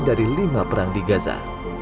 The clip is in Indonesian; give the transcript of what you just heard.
dari lima perang di gaza